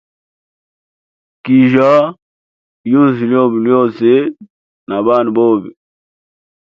Kijya yunzu lyobe lyose lizima na bana bobe.